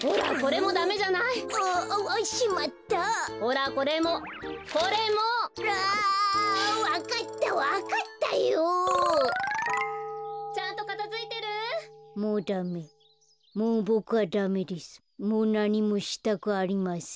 もうなにもしたくありません。